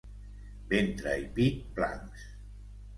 Ventre i pit blancs.